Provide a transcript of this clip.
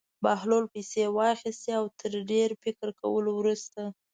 بهلول پېسې واخیستې او تر ډېر فکر کولو وروسته.